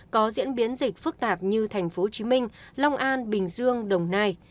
có diễn biến dịch phức tạp như tp hcm long an bình dương đồng nai